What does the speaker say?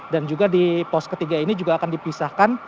dan juga di pos ketiga ini juga akan dipisahkan